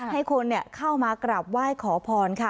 ให้คนเนี้ยเข้ามากลับไหว้ขอพรค่ะ